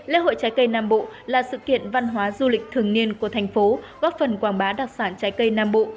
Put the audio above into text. lễ hội trái cây nam bộ là sự kiện văn hóa du lịch thường niên của thành phố góp phần quảng bá đặc sản trái cây nam bộ